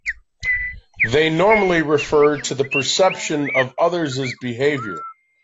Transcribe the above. They normally refer to the perception of others' behavior.